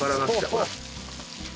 ほら。